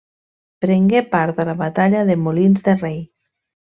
Prengué part a la batalla de Molins de Rei.